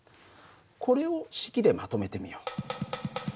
これを式でまとめてみよう。